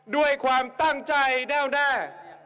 ด้วยความตั้งใจแน่วแน่